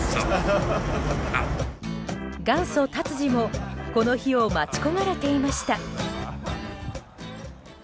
元祖・達治もこの日を待ち焦がれていました。